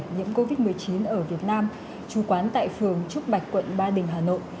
nhiễm covid một mươi chín ở việt nam chú quán tại phường trúc bạch quận ba đình hà nội